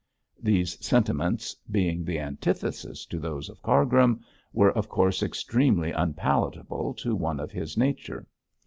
These sentiments, being the antithesis to those of Cargrim, were of course extremely unpalatable to one of his nature.